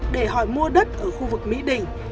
để hỏi mua đất ở khu vực mỹ đỉnh